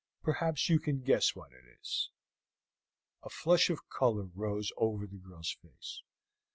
"Perhaps you can guess what it is?" A flush of color rose over the girl's face.